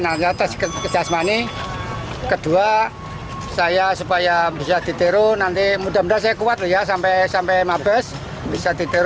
maupun anggota polri yang memasuki masa pensiun